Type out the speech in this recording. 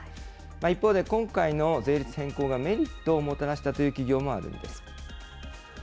一方で、今回の税率変更がメリットをもたらしたという企業もあるんです。